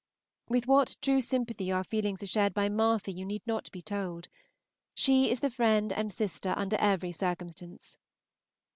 With what true sympathy our feelings are shared by Martha you need not be told; she is the friend and sister under every circumstance.